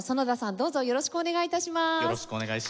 どうぞよろしくお願い致します。